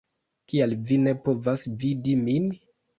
Kial vi ne povas vidi min?